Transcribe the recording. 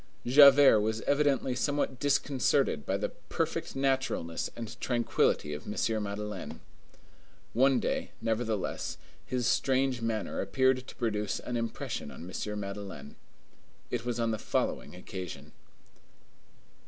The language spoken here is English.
Javert was evidently somewhat disconcerted by the perfect naturalness and tranquillity of M. Madeleine. One day, nevertheless, his strange manner appeared to produce an impression on M. Madeleine. It was on the following occasion.